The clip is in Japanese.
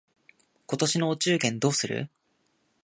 今年のお中元どうする？